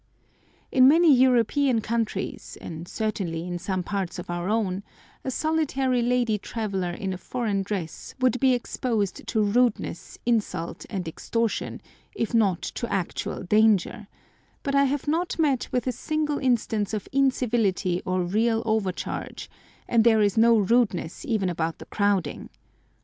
In many European countries, and certainly in some parts of our own, a solitary lady traveller in a foreign dress would be exposed to rudeness, insult, and extortion, if not to actual danger; but I have not met with a single instance of incivility or real overcharge, and there is no rudeness even about the crowding.